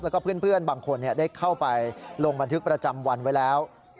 แล้วก็เพื่อนบางคนได้เข้าไปลงบันทึกประจำวันไว้แล้ว